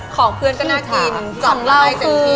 ของเพื่อนก็น่ากิน